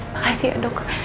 makasih ya dok